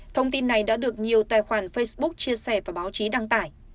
thông tin này đã được nhiều tài khoản facebook chia sẻ và báo chí đăng tải